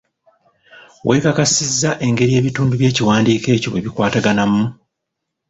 Weekakasizza engeri ebintundu by'ekiwandiiko ekyo bwe bikwataganamu?